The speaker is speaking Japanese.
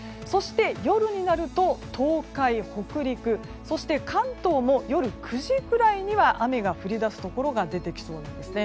夜になると、東海・北陸そして関東も夜９時くらいには雨が降り出すところが出てきそうです。